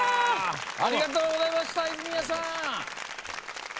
ありがとうございました泉谷さん。